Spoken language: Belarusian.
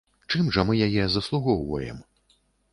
Чым жа мы яе заслугоўваем?